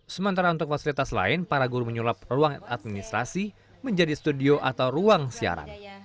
sementara untuk fasilitas lain para guru menyulap ruang administrasi menjadi studio atau ruang siaran